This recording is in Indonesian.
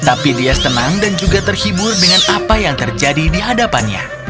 tapi dia senang dan juga terhibur dengan apa yang terjadi di hadapannya